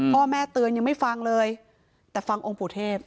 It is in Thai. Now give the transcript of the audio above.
พ่อแม่เตือนยังไม่ฟังเลยแต่ฟังองค์ปู่เทพ